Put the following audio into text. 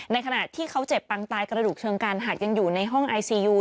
ขณะที่เขาเจ็บปังตายกระดูกเชิงการหักยังอยู่ในห้องไอซียู